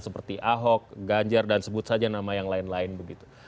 seperti ahok ganjar dan sebut saja nama yang lain lain begitu